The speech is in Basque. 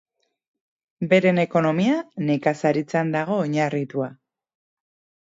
Beren ekonomia nekazaritzan dago oinarritua.